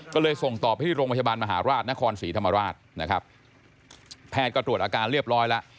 ก็เลยส่งต่อไปที่โรงพยาบาลมหาราชนครศรีธรรมราชนะครับแพทย์ก็ตรวจอาการเรียบร้อยแล้ว